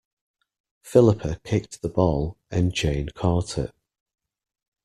Philippa kicked the ball, and Jane caught it.